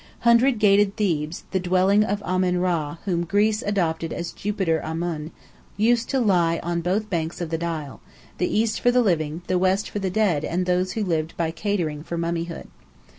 "Hundred gated" Thebes, the dwelling of Amen Rã whom Greece adopted as Jupiter Amon, used to lie on both banks of the Nile; the east for the living, the west for the dead and those who lived by catering for mummyhood.